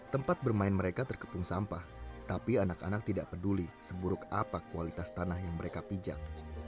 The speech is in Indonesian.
tempat bermain mereka terkepung sampah tapi anak anak tidak peduli seburuk apa kualitas tanah yang mereka pijak